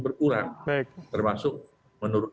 berkurang termasuk menurut